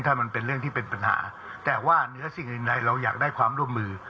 ถ้ามันเป็นเรื่องที่เป็นปัญหาแต่ว่าเนื้อสิ่งอื่นใดเราอยากได้ความร่วมมือ